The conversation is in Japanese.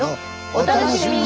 お楽しみに！